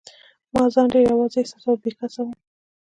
ما ځان ډېر یوازي احساساوه، بې کسه وم.